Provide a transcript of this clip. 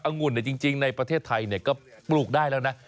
งุ่นจริงในประเทศไทยก็ปลูกได้แล้วนะ